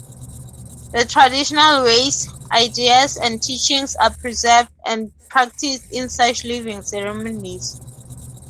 The traditional ways, ideas, and teachings are preserved and practiced in such living ceremonies.